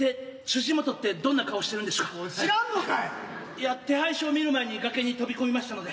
いや手配書を見る前に崖に飛び込みましたので。